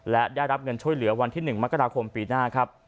และได้รับเงินช่วยเหลือวันที่๑มกราคมปีหน้าครับ